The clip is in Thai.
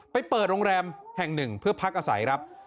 ไปเปิดโรงแรมแห่งหนึ่งเพื่อพักอาศัยครับ